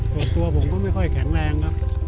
ส่วนตัวผมก็ไม่ค่อยแข็งแรงครับ